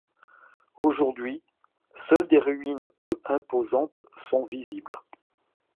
Aujourd'hui, seuls des ruines peu imposantes sont visibles.